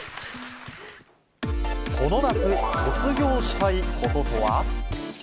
この夏、卒業したいこととは。